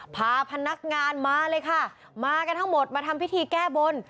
พาพนักงานมาเลยค่ะมากันทั้งหมดมาทำพิธีแก้บน